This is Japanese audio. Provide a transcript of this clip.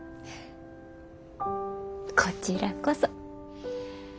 こちらこそ。